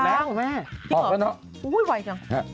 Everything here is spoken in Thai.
แล้วแม่ออกแล้วเนอะอุ้ยไวจัง